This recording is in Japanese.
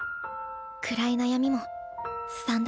暗い悩みもすさんだ